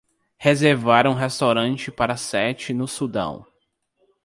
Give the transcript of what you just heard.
reservar um restaurante para sete no Sudão